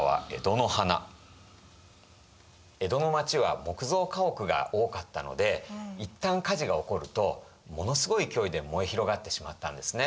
江戸の町は木造家屋が多かったのでいったん火事が起こるとものすごい勢いで燃え広がってしまったんですね。